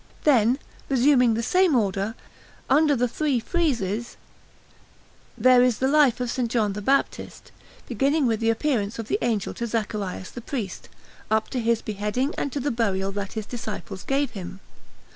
Then, resuming the same order, under the three friezes there is the life of S. John the Baptist, beginning with the appearing of the Angel to Zacharias the priest, up to his beheading and to the burial that his disciples gave him.